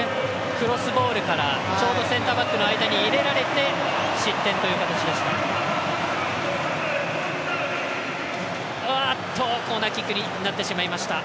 クロスボールからちょうどセンターバックの間に入れられて失点という形でした。